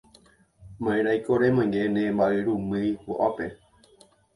Ma'erãiko remoinge ne mba'yrumýi ko'ápe